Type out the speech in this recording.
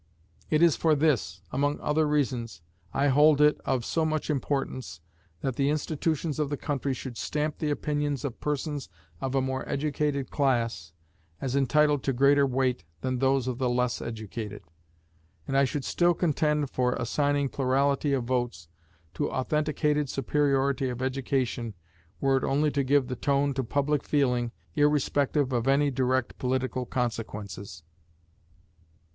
It is for this, among other reasons, I hold it of so much importance that the institutions of the country should stamp the opinions of persons of a more educated class as entitled to greater weight than those of the less educated; and I should still contend for assigning plurality of votes to authenticated superiority of education were it only to give the tone to public feeling, irrespective of any direct political consequences.